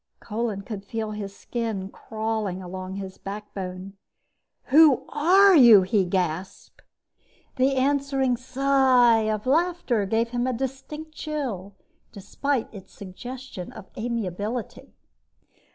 Kolin could feel the skin crawling along his backbone. "Who are you?" he gasped. The answering sigh of laughter gave him a distinct chill despite its suggestion of amiability.